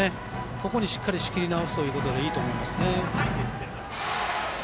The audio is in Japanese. そこで仕切り直すということでいいと思います。